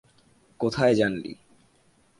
কোথায় জানলি?